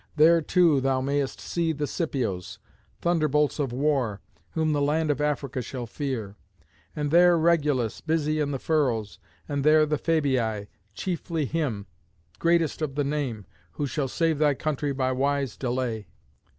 There, too, thou mayest see the Scipios, thunderbolts of war, whom the land of Africa shall fear; and there Regulus, busy in the furrows; and there the Fabii, chiefly him, greatest of the name, who shall save thy country by wise delay.